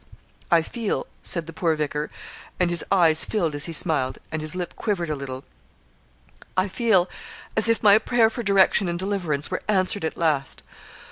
'I feel,' said the poor vicar, and his eyes filled as he smiled, and his lip quivered a little 'I feel as if my prayer for direction and deliverance were answered at last.